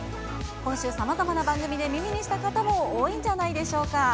今週、さまざまな番組で耳にした方も多いんじゃないでしょうか。